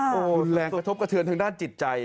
โอ้รุนแรงกระทบกับเธอทางด้านจิตใจ